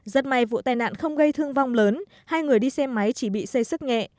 rất may vụ tai nạn không gây thương vong lớn hai người đi xe máy chỉ bị xây sức nhẹ